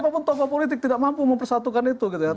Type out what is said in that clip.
apapun topo politik tidak mampu mempersatukan itu